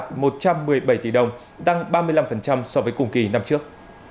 tổng doanh thu ước đạt một trăm một mươi bảy tỷ đồng tăng ba mươi năm so với cùng kỳ năm trước